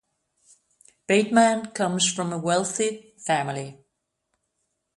Bateman comes from a wealthy family.